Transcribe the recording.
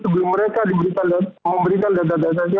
sebelum mereka memberikan data datanya